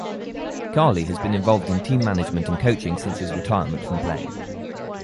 Carley has been involved in team management and coaching since his retirement from playing.